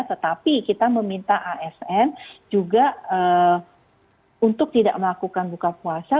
tetapi kita meminta asn juga untuk tidak melakukan buka puasa